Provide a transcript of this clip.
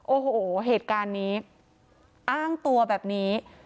โอ้โหเหตุการณ์นี้อ้างตัวแบบนี้